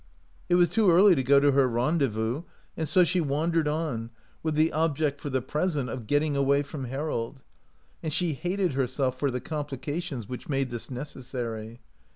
It was too early to go to her ren dezvous, and so she wandered on, with the object for the present of getting away from Harold ; and she hated herself for the com plications which made this necessary.